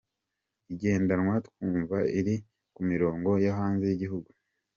igendanwa twumva iri ku mirongo yo hanze yigihugu.